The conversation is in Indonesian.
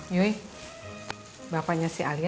yui bapaknya si alia